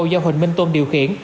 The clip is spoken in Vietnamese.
do huỳnh minh tuân điều khiển